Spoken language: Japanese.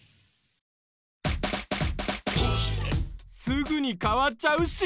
すぐに変わっちゃう信号！